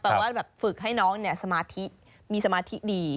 ว่าแบบฝึกให้น้องสมาธิมีสมาธิดี